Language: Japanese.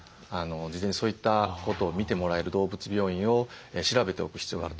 事前にそういったことを診てもらえる動物病院を調べておく必要があると思います。